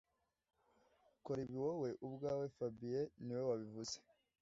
Kora ibi wowe ubwawe fabien niwe wabivuze